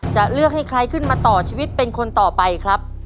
จะเลือกให้ใครขึ้นมาต่อชีวิตเป็นคนต่อไปครับ